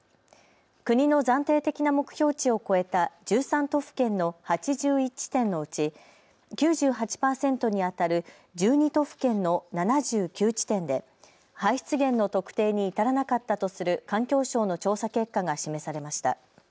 国の暫定的な目標値を超えた１３都府県の８１地点のうち９８％にあたる１２都府県の７９地点で排出源の特定に至らなかったとする環境省の調査結果が示されました。